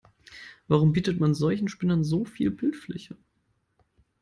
Warum bietet man solchen Spinnern so viel Bildfläche?